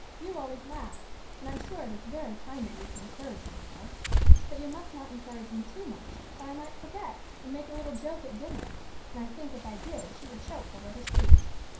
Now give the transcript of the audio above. You always laugh, and I am sure it is very kind of you to encourage me so; but you must not encourage me too much, or I might forget, and make a little joke at dinner, and I think, if I did, she would choke over her soup."